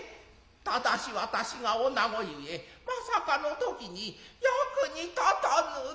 但し私が女子ゆえまさかの時に役に立たぬと思ふてか。